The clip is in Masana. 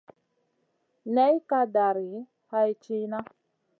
Ney ka dari hay tìhna.